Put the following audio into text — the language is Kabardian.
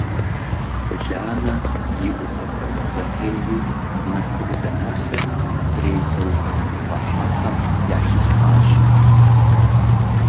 Ланэ и Ӏупэхэр фӀызэтежу мастэӀуданалъэр адрей саугъэт къыхуахьахэм яхилъхьащ.